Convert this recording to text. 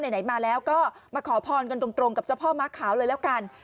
ไหนมาแล้วก็มาขอพรกันตรงกับเจ้าพ่อม้าขาวเลยแล้วกัน